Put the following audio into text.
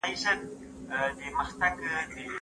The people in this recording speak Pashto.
د واده د ورځو او شپو په اړه مهمې لارښوونې کومې دي؟